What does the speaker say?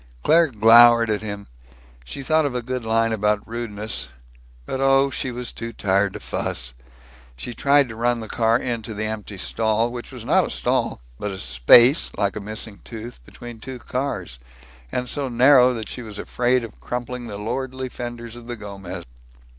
Claire glowered at him. She thought of a good line about rudeness. But oh, she was too tired to fuss. She tried to run the car into the empty stall, which was not a stall, but a space, like a missing tooth, between two cars, and so narrow that she was afraid of crumpling the lordly fenders of the Gomez.